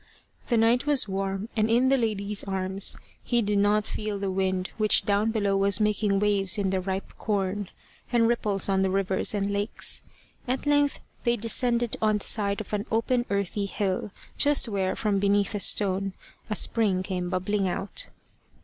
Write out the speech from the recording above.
The night was warm, and in the lady's arms he did not feel the wind which down below was making waves in the ripe corn, and ripples on the rivers and lakes. At length they descended on the side of an open earthy hill, just where, from beneath a stone, a spring came bubbling out.